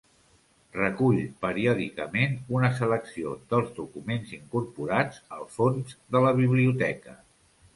Recull periòdicament una selecció dels documents incorporats al fons de la Biblioteca.